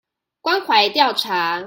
關懷調查